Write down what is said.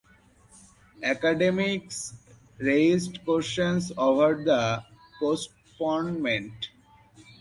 Academics raised questions over the postponement.